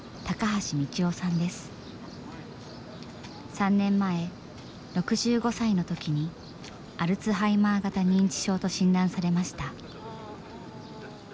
３年前６５歳の時にアルツハイマー型認知症と診断されました。